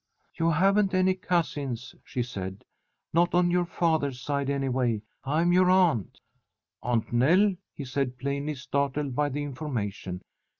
"You haven't any cousins," she said. "Not on your father's side, anyway. I'm your aunt." "Aunt Nell!" he said, plainly startled by the information.